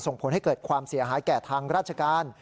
ส่งผลให้เกิดความเสียหายแก่ทางราชการ